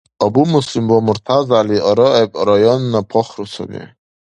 Абумуслим ва МуртазагӀяли арагӀеб районна пахру саби.